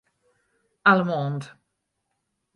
Allemande.